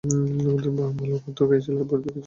আমাদের ভালো খাদ্য খাইয়েছিল আর পরিবর্তে কিছুই চায়নি।